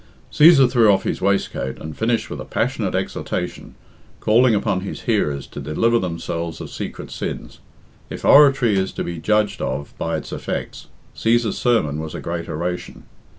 Cæsar threw off his waistcoat and finished with a passionate exhortation, calling upon his hearers to deliver themselves of secret sins. If oratory is to be judged of by its effects, Cæsar's sermon was a great oration.